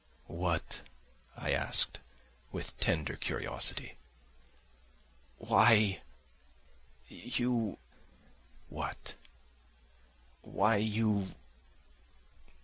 "What?" I asked, with tender curiosity. "Why, you..." "What?" "Why, you